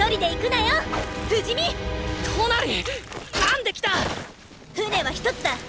なんで来た⁉船は一つだ。